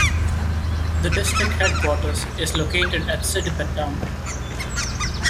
The district headquarters is located at Siddipet town.